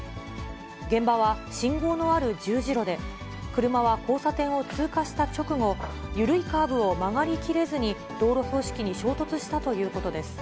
現場は信号のある十字路で、車は交差点を通過した直後、緩いカーブを曲がり切れずに道路標識に衝突したということです。